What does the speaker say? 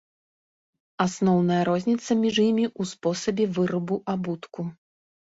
Асноўная розніца між імі ў спосабе вырабу абутку.